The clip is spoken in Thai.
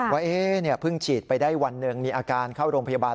ว่าเพิ่งฉีดไปได้วันหนึ่งมีอาการเข้าโรงพยาบาล